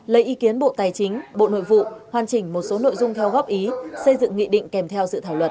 lấy ý kiến bộ tài chính bộ nội vụ hoàn chỉnh một số nội dung theo góp ý xây dựng nghị định kèm theo dự thảo luật